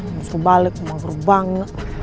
maksud balik mau berbang